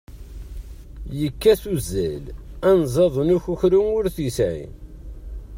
Yekkat uzzal, anẓad n ukukru ur t-yesɛi.